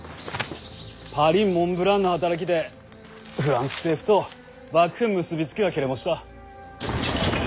パリんモンブランの働きでフランス政府と幕府ん結び付きは切れもした。